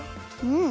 うん！